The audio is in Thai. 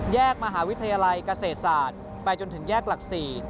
มหาวิทยาลัยเกษตรศาสตร์ไปจนถึงแยกหลัก๔